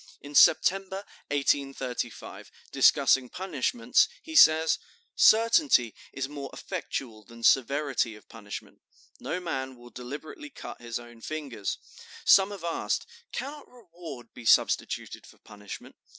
In September, 1835, discussing punishments, he says: "Certainty is more effectual than severity of punishment. No man will deliberately cut his own fingers. Some have asked, 'Cannot reward be substituted for punishment?